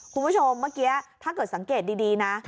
คุณผู้ชมเมื่อกี้ถ้าเกิดสังเกตดีนะ